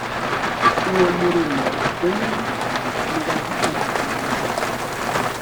uwo murimo umwe mu bagize guverinoma